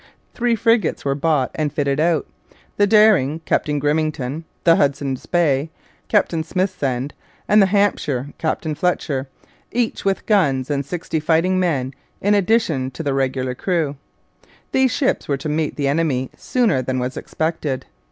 Three frigates were bought and fitted out the Dering, Captain Grimmington; the Hudson's Bay, Captain Smithsend; and the Hampshire, Captain Fletcher each with guns and sixty fighting men in addition to the regular crew. These ships were to meet the enemy sooner than was expected.